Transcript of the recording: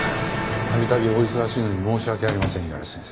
度々お忙しいのに申し訳ありません五十嵐先生。